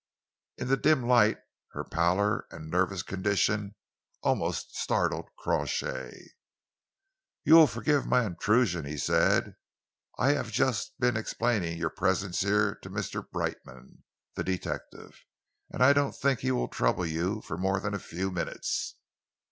In the dim light, her pallor and nervous condition almost startled Crawshay. "You will forgive my intrusion," he said. "I have just been explaining your presence here to Mr. Brightman, the detective, and I don't think he will trouble you for more than a few minutes."